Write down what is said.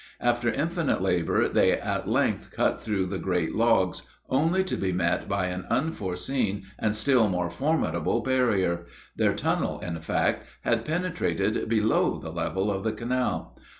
After infinite labor they at length cut through the great logs, only to be met by an unforeseen and still more formidable barrier. Their tunnel, in fact, had penetrated below the level of the canal.